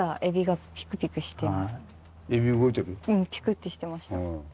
うんピクってしてました。